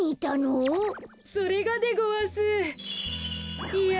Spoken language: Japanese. それがでごわすいや